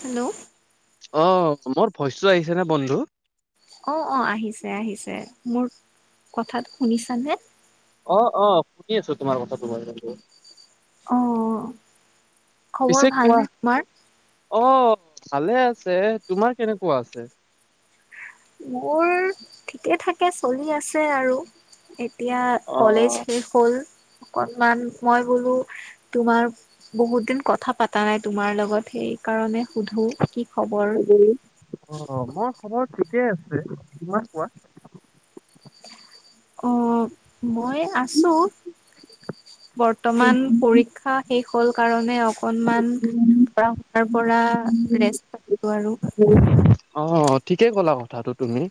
Hello অ মোৰ ভইচটো আহিছে নে বন্ধু অ অ আহিছে আহিছে মোৰ কথাটো শুনিছানে অ অ শুনি আছো তোমাৰ কথাটো বাৰু হয় অ পিছে খবৰ কোৱা ভালনে তোমাৰ অ ভালে আছে তোমাৰ কেনেকুৱা আছে মোৰ ঠিকে থাকে চলি আছে আৰু এতিয়া অ কলেজ শেষ হ'ল অকনমান মই বোলো তোমাৰ বহুত দিন কথা পতা নাই তোমাৰ লগত সেই সেইকাৰণে সুধো কি খবৰ সেই বুলি অ মোৰ মোৰ ঠিকে আছে তোমাৰ কোৱা অ মই আছো বৰ্তমান পৰীক্ষা শেষ হ'ল কাৰণ মানে অকনমান পঢ়া শুনাৰ পৰা ৰেষ্ট কৰো আৰু অ ঠিকে ক'লা কথাটো তুমি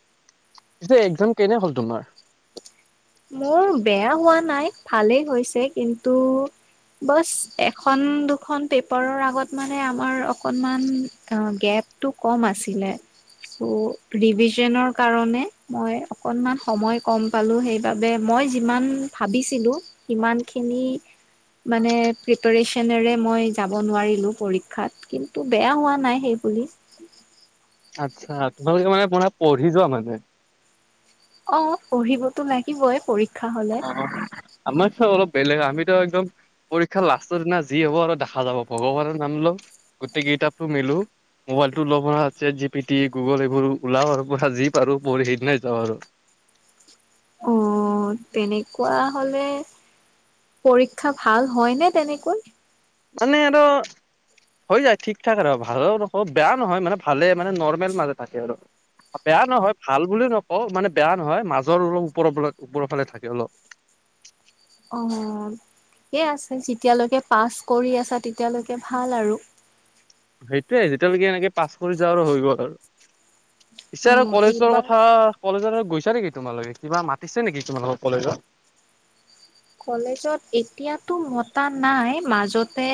পিছে একজাম কেনে হল তোমাৰ মোৰ বেয়া হোৱা নাই ভালেই হৈছে কিন্তু বছ এখন দুখন পেপাৰৰ আগত মানে আমাৰ অকনমান অ গেপ টো কম আছিলে চ' ৰিভিজনৰ কাৰণে মই অকনমান সময় কম পালো সেই বাবে মই যিমান ভাবিছিলোঁ সিমানখিনি মানে প্ৰিপাৰিচনৰে মই যাব নোৱাৰিলো পৰীক্ষাত কিন্তু বেয়া হোৱা নাই সেই বুলি আচ্ছা তোমালোকে মানে পঢ়ি যোৱা মানে অ পঢ়িবতো লাগিবই পৰী অ আমাৰ ছহ বেলেগ আ তুমি ত একদম পৰীক্ষা লাষ্টৰ দিনা যি হব আৰু দেখা যাব ভগৱানৰ নাম লওঁ গোটেই কিতাপ টো মেলো মোবাইলটো ল'ব পৰা আছে জি পি টি গুগল এইবোৰ উলাও আৰু পৰা যি পাৰো পঢ়ি সেইদিনাই যাওঁ আৰু অ তেনেকুৱা হলে পৰীক্ষা ভাল হয় নে তেনেকৈ মানে এইটো হৈ যায় ঠিক ঠাক আৰু ভাল নকৌ বেয়া নহয় মানে ভালে মানে নৰ্মেল মাজে থাকে আৰু বেয়া নহয় ভাল বুলিও নকওঁ মানে বেয়া নহয় মাজৰ অলপ ওপৰৰ ওপৰৰ ফালে থাকে অলপ অ ঠিকেই আছে যেতিয়ালৈকে পাছ কৰি আছা তেতিয়ালৈকে ভাল আৰু সেইটোয়ে যেতিয়ালৈকে এনেকে পাছ কৰি য়াও আৰু হৈ গ'ল আৰু পিছে আৰু উম কলেজৰ এইবাৰ কথা কলেজৰ গৈছা নেকি তোমালোকে? কিবা মাতিছে নেকি তোমালোকক কলেজত? কলেজত এতিয়াতো মতা নাই। মাজতে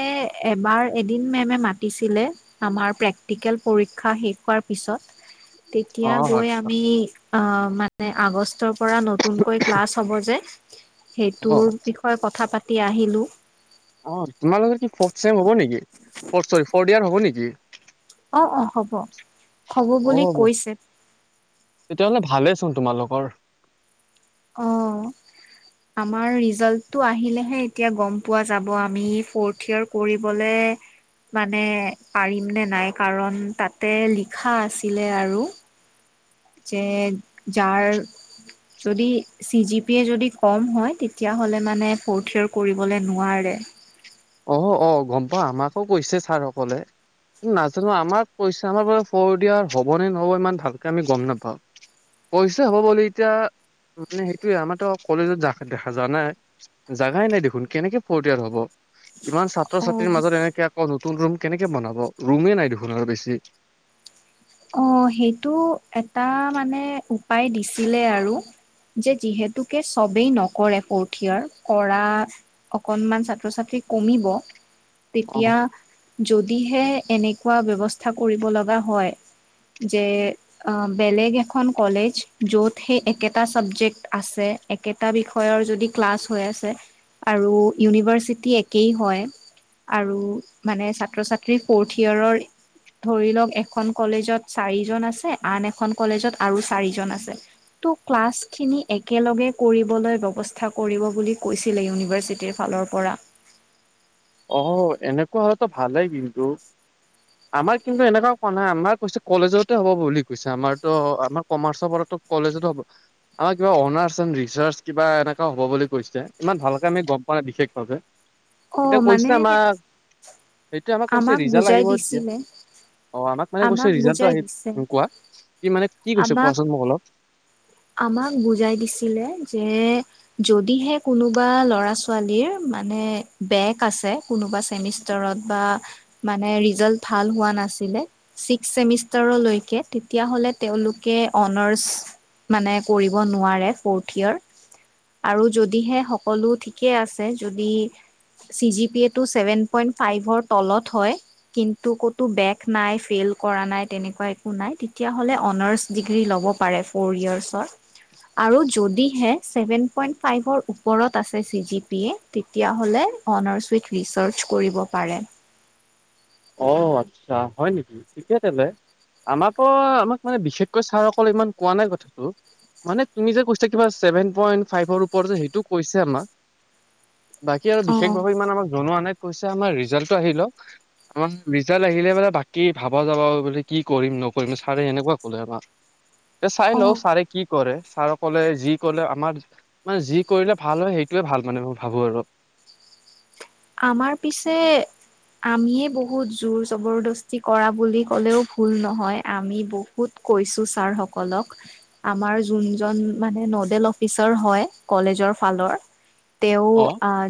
এবাৰ এদিন মেমে মাতিছিলে আমাৰ প্ৰেক্টিকেল পৰীক্ষা শেষ হোৱাৰ পিছত। অ তেতিয়া হয় গৈ আমি অ'- মানে আগ ষ্টৰ পৰা নতুনকৈ ক্লাছ হব যে অ টোৰ বিষয়ে কথা পাতি আহিলোঁ। অ' তোমালোকৰ কি হব ফোৰ্থ ছেম হ'ব নেকি? অ' ছৰি, ফোৰ্থ ইয়াৰ হ'ব নেকি? অ' - অ' হব। হব বুলি অ কৈছে। তোন তোমালোকৰ। অ'। আমাৰ ৰিজাল্টটো আহিলেহে এতিয়া গম পোৱা যাব আমি ফোৰ্থ ইয়াৰ পঢ়িবলে মানে পাৰিম নে নাই, কাৰণ তাতে লিখা আছিলে আৰু। যে যাৰ যদি চি জি পি য়ে যদি কম হয়, তেতিয়াহলে মানে ফৰ্থ ইয়াৰ কৰিবলে নোঁৱাৰে। [unintelligible] অ অ গম পাওঁ, আমাকো কৈছে ছাৰ সকলে। নাজানো আমাক কৈছে, আমাৰ বোলে ফৰ্দ ইয়াৰ হব নে নহব ইমান ভালকে আমি গম নাপাওঁ। কৈছে হ'ব বুলি এতিয়া মানে সেইটোয়ে আমাৰ ত কলেজত যা জানাই, জাগাই নাই দেখোন কেনেকে ফৰ্ট ইয়াৰ হব। ইমান ছাত্ৰ অ' ছাত্ৰীৰ মাজত এনেকে অ নতুন ৰুম কেনেকে বনাব, ৰুমেই নাই দেখোন আৰু বেছি। অ সেইটো এটা মানে উপায় দিছিলে আৰু। যে যিহেতুকে চবেই নকৰে ফৰ্থ ইয়াৰ,, কৰা অকনমান ছাত্ৰ ছাত্ৰী কমিব। অ তেতিয়া, যদিহে এনেকুৱা ব্যৱস্থা কৰিব লগা হয়। যে অ বেলেগ এখন কলেজ, য'ত সেই একেটা চাবজেক্ট আছে। একে বিষয়ৰ যদি ক্লাছ হৈ আছে, আৰু ইউনিভাৰ্চিটি একেই হয়। আৰু মানে ছাত্ৰ ছাত্ৰী ফৰ্থ ইয়েৰৰ, ধৰি লওঁক এখন কলেজত চাৰিজন আছে, আন এখন কলেজত আৰু চাৰিজন আছে, ত' ক্লাছ খিনি একেলগে কৰিবলৈ বৱস্থা কৰিব বুলি কৈছিলে, ইউনিভাৰ্চিটিৰ ফালৰ পৰা। অ এনেকুৱা হলে ভালেই কিন্তু। আমাৰ কিন্তু এনেকুৱাও কোৱা নাই আমাৰ কৈছে কলেজতে হ'ব বুলি কৈছে, আমাৰতো আমাৰ কমাৰ্চৰ পৰা কলেজত হব, আমাৰ কিবা অনাৰ্ছ এন ৰিচাৰ্জ কিবা এনে হ'ব বুলি কৈছে, ইমান ভালকে আমি গম পোৱা নাই বিশেষ ভাবে। অ মানে, সেইটোৱে কৈছে আমাক ৰিজাল্ট বুজাই আহিব তেতিয়া দিছিলে। অ আমাক মানে কৈছে ৰিজাল্টটো বুজাই আহি দিছে কোৱা কি মানে কি কৈছে আমাক কোৱাচোন মোক অলপ। আমাক বুজাই দিছিলে যে যদিহে কোনোবা ল'ৰা ছোৱালীৰ মানে বেক আছে কোনোবা চেমিষ্টাৰত বা মানে ৰিজাল্ট ভাল হোৱা না চিলে ছিক্স ছেমিষ্টাৰলৈকে তেতিয়াহলে তেওঁলোকে অনাৰ্ছ মানে কৰিব নোৱাৰে ফৰ্থ ইয়েৰ। আৰু যদিহে সকলো ঠিকেই আছে যদি চি জি পি এটো ছেভেন পইণ্ট ফাইভৰ তলত হয়। কিন্তু কটো বেক নাই ফেইল কৰা নাই তেনেকুৱা একো নাই তেতিয়াহলে অনাৰ্ছ ডিগ্ৰী ল ব পাৰে ফৌৰ ইয়াৰ্ছৰ। আৰু যদিহে ছেভেন পইণ্ট ফাইভৰ ওপৰত আছে চি জি পি এ তেতিয়াহলে অনাৰছ উইথ ৰিচাৰ্চ কৰিব পাৰে। অ আচ্ছা হয় নেকি ঠিকে তেলে। আমাৰ পৰা আমাক মানে বিশেষকৈ ছাৰ অকল ইমান কোৱা নাই কথাটো। মানে তুমি যে কৈছা কিবা ছেভেন পইণ্ট ফাইভৰ ওপৰত যে সেইটো কৈছে আমাক। [inaudible] বাকী আৰু অ', বিশেষভাৱে ইমান আমাক জনোৱা নাই কৈছে আমাৰ ৰিজাল্টটো আহিলওক আমাৰ ৰিজাল্ট আহিলে মানে বাকী ভাবা যাব বুলি কি কৰিম নকৰিম ছাৰে এনেকুৱা কলে আমাৰ তে চাই লওঁ অ', ছাৰে কি কৰে ছাৰ কলে যি কলে আমাৰ মানে যি কৰিলে ভাল হয় সেইটোয়ে ভাল মানে মই ভাবো আৰু আমাৰ পিছে আমিয়ে বহুত জোৰ জবৰদস্তি কৰা বুলি ক'লেও ভুল নহয় আমি বহুত কৈছো ছাৰ সকলক আমাৰ যোন মানে নডেল অফিচাৰ হয় কলেজ তেওঁ অ। আহ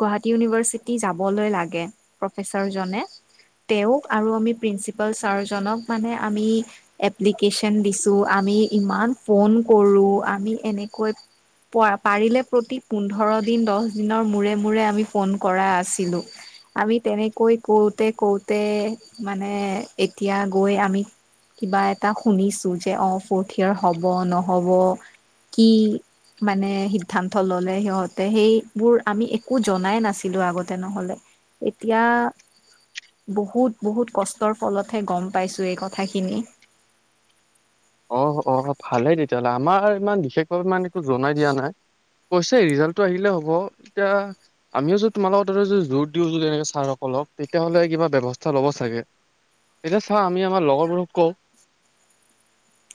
গুৱাহাটী [inaudible] চিতি, যাবলৈ লাগে, প্ৰফেচাৰ জনে। তেওঁক আৰু আমি প্ৰিঞ্চিপাল ছাৰ জনক মানে আমি এপ্লিকেচন দিছো আ আমি ইমান ফোন কৰো আমি এনেকৈ প - পাৰিলে প্ৰতি পোন্ধৰ দিন দহ দিনৰ মূৰে- মূৰে আমি ফোন কৰা আছিলো, আমি তেনেকৈ কৰোঁতে- কৰোঁতে মানে এতিয়া আমি কিবা এটা শুনিছো যে, অ' ফৰ্ট [inaudible] হব নহব কি মানে সিদ্ধান্ত ললে সিহঁতে সেইবোৰ আমি একো জনাই নাছিলো। ছিলো, আগতে নহলে এতিয়া বহুত- বহুত কষ্টৰ ফলতহে গম পাইছো এই কথাখিনি। অ' অ' ভালেই তেতিয়াহ'লে আমাৰ ইমান বিশেষভাৱে ইমান একো জনাই দিয়া নাই। কৈছে ৰিজাল্টটো আহিলে হ'ব এতিয়া আমিও যে তোমাল লগত জোৰ দিও তেনেকে ছাৰ অক তেতিয়াহ'লে কিবা ব্যয়ৱস্থা ল'ব চাগে। তেতিয়া চা আমি আমাৰ লগৰবোৰক কওঁ,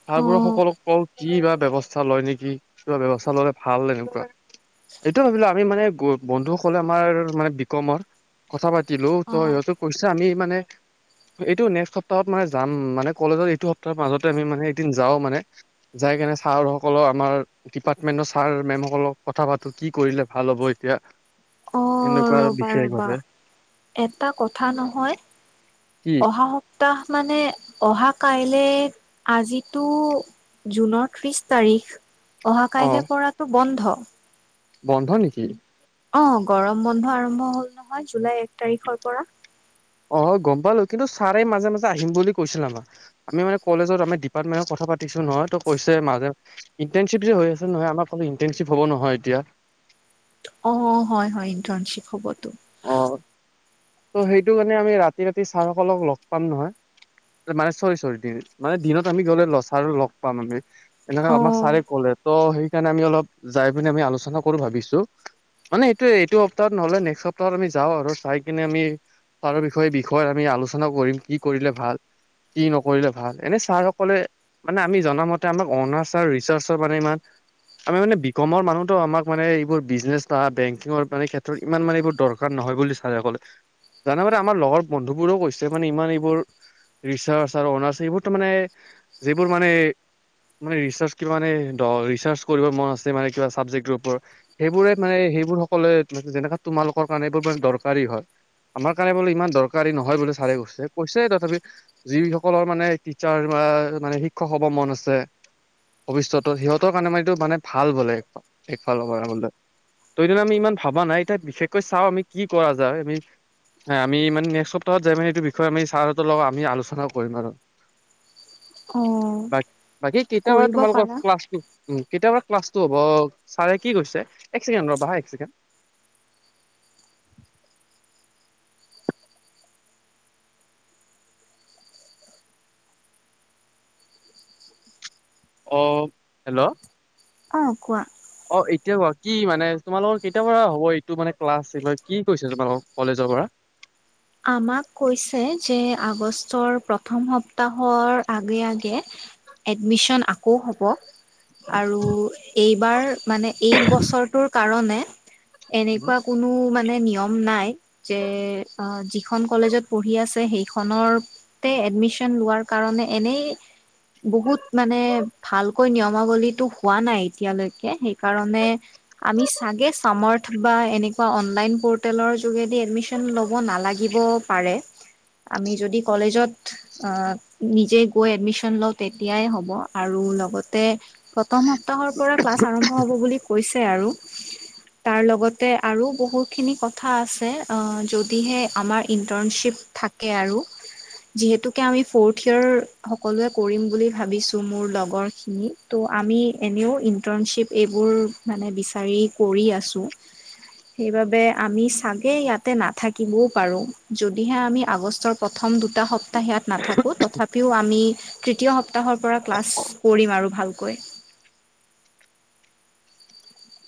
ছাৰবোৰ অ', সকলক কওঁ কিব বা ব্যৱস্থা লয় নেকি কিবা ব্যৱস্থা ললে ভাল এনেকুৱা। এইটো ভাবিলো আমি মানে বন্ধুসকলে আমাৰ মানে বিকমৰ কথা পাতিলো ত' অ', সিহঁতে কৈছে আমি মানে এইটো নেক্সট সপ্তাহত মানে যাম, মানে কলেজত এইটো সপ্তাহৰ মাজত আমি মানে এদিন যাও মানে যাই কেনে ছাৰ সকলৰ আমাৰ ডিপাৰ্টমেন্টৰ ছাৰ মেম সকলক কথা পাতো কি কৰিলে ভাল হ'ব এতিয়া। অঁ। এনেকুৱা আৰু ৰ'বা ৰ'বা, বিশেষভাৱে এটা কথা নহয় কি অহা সপ সপ্তাহ মানে অহা কাইলে আজিতো জুনৰ ত্ৰিশ তাৰিখ অহা অ কাইলৈ পৰাটোত বন্ধ বন্ধ নেকি অ গৰম বন্ধ আৰম্ভ হ'ল নহয় জুলাই এক তাৰিখৰ পৰা অ গম পালো কিন্তু ছাৰেই মাজে মাজে আহিম বুলি কৈছিলে আমাক আমি মানে কলেজত আমাৰ ডিপাৰ্টমেন্টৰ ক ক পাছো নহয় ত কৈছে মাজে ইন্টাৰ্ণশ্বিপ যে হৈ আছে নহয় আমাৰ ইন্টাৰ্ণশ্বিপ হব নহয় এতিয়া অ হয় হয় ইন্টাৰ্ণশ্বিপ হবতো অ ত সেইটো কাৰণে আমি ৰাতি ৰাতি ছাৰ সকলক লগ পাম নহয় মানে চৰি চৰি দিন মানে দিনত আমি গলে লচাৰ লগ পাম আমি এনেকে আমাক অ', ছাৰে কলে ত' সেইকাৰণে আমি অলপ যাই পিনে আমি আলোচনা কৰো ভাবিছো মানে এইটো এইটো সপ্তাহত নহলে নেষ্ট সপ্তাহত আমি যাওঁ আৰু চাই সেইনে আমি তাৰ বিষয়ে বিষয়ত আমি আলোচনাও কৰিম কি কৰিলে ভাল কি নকৰিলে ভাল এনে ছাৰসকলে মানে আমি জনা মতে আমাক অনাৰ্চ আৰু ৰিচাৰ্চৰ মানে ইমান আমি মানে বিকমৰ মানুহটো আমাক মানে এইবোৰ বিজনেছ বা বেংকিঙৰ মানে ক্ষেত্ৰত ইমান মানে এইবোৰ দৰকাৰ নাই নহয় বুলি চাৰে কলে জানে মান আমাৰ লগৰ বন্ধু বোৱেও কৈছে মানে ইমান এইবোৰ ৰিচাৰ্চ আৰু অনাৰ্চ এইবোৰতো মানে যিবোৰ মানে মানে ৰিচাৰ্চ কিবা মানে ৰিচাৰ্চ কৰিব মন আছে মানে কিবা চাবজেক্টৰ ওপৰত সেইবোৰে মানে সেইবোৰ সকলে যেনেকা তোমালোকৰ কাৰণে এইবোৰ মানে দৰকাৰী হয়। আমাৰ কাৰণে বোলো ইমান দৰকাৰী নহয় বোলে ছাৰে কৈছে কৈছে তথাপি যিসকলৰ মানে টা মানে শিক্ষক হব মন আছে ভৱিষ্যতত সিহঁতৰ কাৰণে মাৰটো মানে ভাল বোলে এফালৰ পৰা বলে শেইদিনা আমি ইমান ভবা নাই এতিয়া বিশেষকৈ চাওঁ আমি কি কৰা যায় আমি মানে নেক্সট্ সপ্তাহত যায় মানে এইটো বিষয়ে আমি ছাৰ হঁতৰ লগত আমি আলোচনাও কৰিম আৰু। [inaudible] অ', বা বাকী কেতিয়া পৰা কৰিব তোমালোকৰ পাৰা। ক্লাছটো কেতিয়া পৰা ক্লাছটো হ'ব? ছাৰে কি কৈছে? এক ছেকেণ্ড ৰ'বা হা এক ছেকেণ্ড। [inaudible] অ' হেল্ল' অঁ কোৱা। অ' এতিয়া কোৱা কি মানে তোমালোকৰ কেতিয়া পৰা হ'ব এইটো মানে ক্লাছ কি কৈছে তোমালোকৰ কলেজৰ পৰা? [inaudible] আমাক কৈছে যে আগষ্টৰ প্ৰথম সপ্তাহৰ আগে আগে এডমিশন আকৌ হ'ব আৰু এইবাৰ মানে এই বছৰটোৰ কাৰণে এনেকুৱা কোনো মা মানে নিয়ম নাই যে অ' যিখন কলেজত পঢ়ি আছে সেইখনৰতে এডমিশন লোৱাৰ কাৰণে এনেই বহুত মানে ভালকৈ নিয়মাৱলীটো হোৱা নাই এতিয়ালৈকে সেইকাৰণে আমি চাগে সামৰ্থ বা এনেকুৱা অনলাইন পৰ্টেলৰ যোগেদি এডমিশ্যন লব ব নালাগিব পাৰে। আমি যদি কলেজত আ নিজে গৈ এডমিশ্যন লওঁ তেতিয়াই হ'ব আৰু লগতে প্ৰথম সপ্তাহৰ পৰা ক্লাছ আৰম্ভ হব বুলি কৈছে আৰু, তাৰ লগতে আৰু বহুখিনি কথা আছে অঁ য' যদিহে আমাৰ ইণ্টাৰ্ণশ্বিপ থাকে আৰু। যিহেতুকে আমি ফৌৰঠ ইয়েৰ সকলোৱে কৰিম বুলি ভাবিছোঁ মোৰ লগৰখিনি ত আমি এনেও ইণ্টাৰ্ণশ্বিপ এইবোৰ মানে বিচাৰি কৰি আছোঁ। সেইবাবে আমি চাগে ইয়াতে নাথাকি কিবও পাৰো, যদিহে আমি আগষ্টৰ প্ৰথম দুটা সপ্তাহ ইয়াত নাথাকো তথাপিও আমি তৃতীয় সপ্তাহৰ পৰা, ক্লাছ কৰিম আৰু ভালকৈ।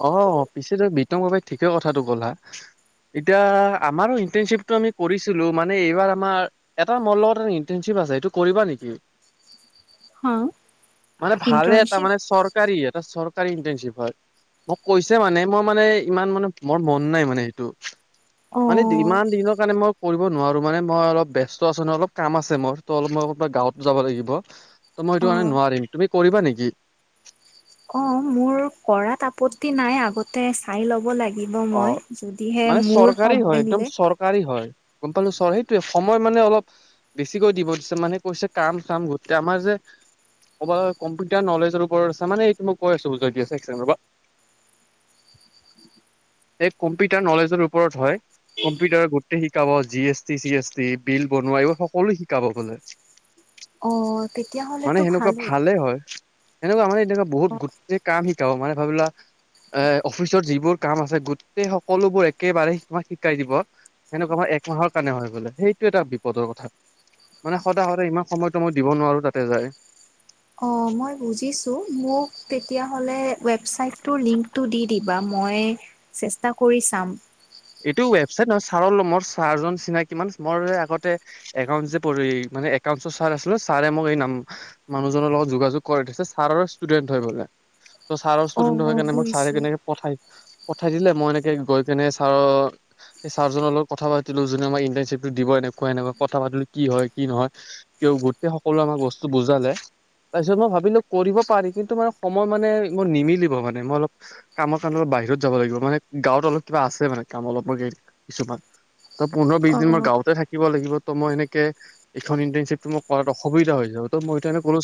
অ' পিছেতে বিতং ভাবাই ঠিকেই কথাটো ক'লা। এতিয়া আমাৰো ইন্টাৰনশ্বিপটো আমি কৰিছিলো মানে এইবাৰ আমাৰ এটা মৰ লগত ইন্টাৰনশ্বিপ ৱা যায় এইটো কৰিবা নেকি? হা মানে ভালে ইণ্টাৰ্ণশ্বিপ তামানে চৰকাৰী এটা চৰ চৰকাৰী ইন্টাৰনশিপ হয়, মোক কৈছে মানে মই মানে ইমান মানে মৰ মন নাই মানে সেইটো মানে অ' ইমান দিনৰ কাৰণে মই কৰিব নোৱাৰো মানে মই অলপ ব্যস্ত আছো ন' অলপ কাম আছে মৰ ত অলপ মই গাঁৱত যাব লাগিব। ত মই সেটো কাৰণে অ' নোৱাৰিম। তুমি কৰিবা নেকি? অ' মোৰ কৰাত আপত্তি নাই, আগতে চাই ল'ব লা অ' মানে চৰকাৰী সময় হয় একদম মিলে চৰকাৰী হয়। গ'ম পালো ছ' সেইটোৱেই সময় মানে অলপ বেছিকৈ দিব দিছে মানে কৈছে কাম চাম গোটতে আমা যে কবাল কম্পিউটাৰ নলেজৰ ওপৰত আছে। মানে এইটো মই কৈ আছো [unintelligible] [inaudible] সেই কম্পিউটাৰ নলেজৰ ওপৰত হয়। কম্পিউটাৰ গোটেই শিকাব G S T C S T bill বনোৱা এইবোৰ সকলো শিকাব বোলে। অ' মানে তেতিয়াহ'লেতো সেনেকুৱা ভালেই হয়। সেনেকুৱা নহয় এতিয়াত বহুত গোটেই কাম শিকাব মানে ভাবিলোৱা এ অফিচত যিবোৰ কাম আছে গোটেই সকলোবোৰ একেবাৰে তোমাক শিকাই দিব, সেনেকুৱা হয় একমাহৰ কাৰণে হৈ বোলে। সেইটো এটা বিপ দল কথা। মানে সদায় সদায় ইমান সময়তো মই দিব নোৱাৰো তাতে যায়। অ মই বুজিছোঁ, মোক তেতিয়াহ'লে ৱেবচাইটটোৰ লিংকটো দি দিবা মই চেষ্টা কৰি চাম। এইটো ৱেবচাইট নহয় ছাৰ মোৰ ছাৰজন চিনাকি মান মোৰ আগতে একাউট যে প মানে একাউণ্টছৰ ছাৰ আছিল ছাৰে মোক এই নাম মানুহজনৰ লগত যোগাযোগ কৰি দিছে ছাৰৰ ষ্টুডেন্ট হয় বুলে। ত ছাৰৰ ষ্টুডেণ্ট হয় অ' কেনে মোক ছাৰে বুজিছোঁ কেনেকে পঠাই পঠাই দিলে মই এনেকে গৈ কেনে আৰু সেই ছাৰজনৰ লগত কথা পাতিলো যোনে আমাক ইণ্টাৰ্ণশিপটো দিব এনেকুৱা এনেকুৱা কথা পাতিলো কি হয় কি নহয় কিয় গোটেই সকলোৱে আমাক বস্তু বুজালে। তাৰপিছত মই ভাবিলো কৰিব পাৰি কিন্তু মানে সময় মানে ইমান নিমিলিব মানে মই অলপ কামত ক বাহিৰত যাব লাগিব মানে গাঁৱত অলপ কিবা আছে মানে কাম অলপ ম কিছুমান। ত' পোন্ধৰ বিশ অ', বি দিন অ'। মোৰ গাঁৱতে থাকিব লাগিব ত' মই এনেকে এইখন ইণ্টাৰ্শিপতটো মই কৰাত অসুবিধা হৈ যায়। তই কো [inaudible]